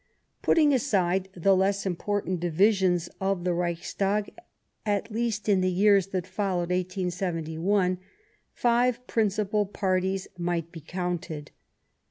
Putting aside the less important divisions of the Reichstag, at least in the years that followed 1871, five principal parties might be counted.